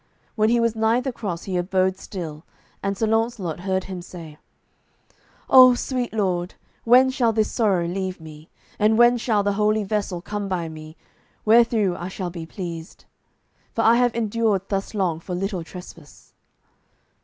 When he was nigh the cross he abode still, and Sir Launcelot heard him say, "Oh, sweet Lord, when shall this sorrow leave me? and when shall the holy vessel come by me, wherethrough I shall be blessed? For I have endured thus long for little trespass."